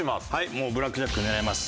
もうブラックジャック狙います。